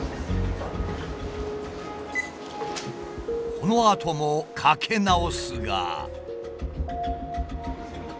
このあともかけ直すが。